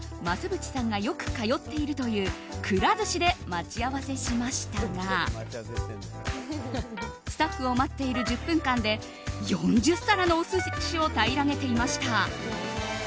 ぶちさんがよく通っているというくら寿司で待ち合わせしましたがスタッフを待っている１０分間で４０皿のお寿司を平らげていました。